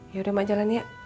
yaudah mak jalan ya